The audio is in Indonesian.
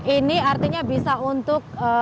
ini artinya bisa untuk